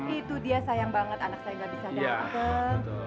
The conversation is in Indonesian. itu dia sayang banget anak saya gak bisa datang